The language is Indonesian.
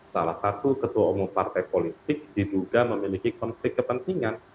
salah satu ketua umum partai politik diduga memiliki konflik kepentingan